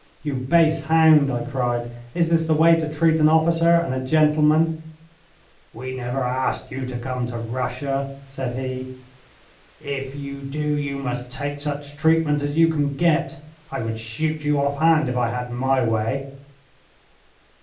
"You base hound," I cried, "is this the way to treat an officer and a gentleman?" "We never asked you to come to Russia," said he. "If you do you must take such treatment as you can get. I would shoot you off hand if I had my way."